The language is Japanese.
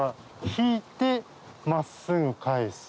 引いて真っすぐ返す。